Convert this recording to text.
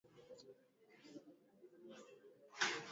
vinavyahitajika katika kupika viazi lishe